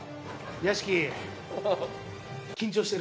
屋敷。